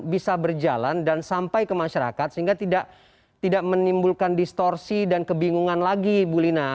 bisa berjalan dan sampai ke masyarakat sehingga tidak menimbulkan distorsi dan kebingungan lagi bu lina